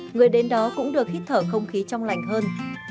người đến đó cũng được hít thở không khí trong lành hơn